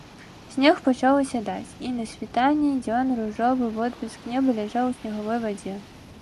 Снег пачаў асядаць, і на світанні дзён ружовы водбліск неба ляжаў у снегавой вадзе.